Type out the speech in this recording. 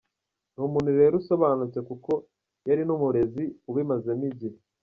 Ni umuntu rero usobanutse kuko yari n’umurezi ubimazemo igihe.